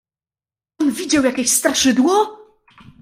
"Pan widział jakieś straszydło!"